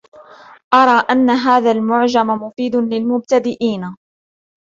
أرى أن هذا المعجم مفيد للمبتدئين.